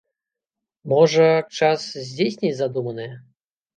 Можа, час здзейсніць задуманае?